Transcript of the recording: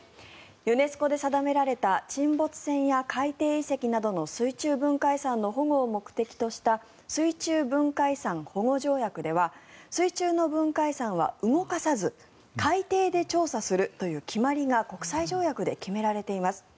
ユネスコで定められた沈没船や海底遺跡などの水中文化遺産の保護を目的とした水中文化遺産保護条約では水中の文化遺産は動かさず海底で調査するという決まりが国際条約で決められています。